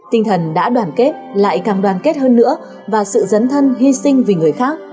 tinh thần đã đoàn kết lại càng đoàn kết hơn nữa và sự dấn thân hy sinh vì người khác